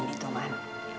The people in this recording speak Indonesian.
kau yakin itu man